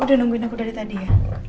udah nungguin aku dari tadi ya